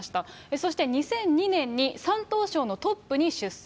そして２００２年に山東省のトップに出世。